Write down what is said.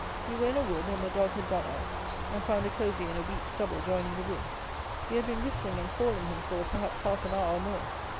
We were in a wood, and the dog had gone out, and found a covey in a wheat stubble joining the wood. We had been whistling and calling him for, perhaps, half an hour, or more.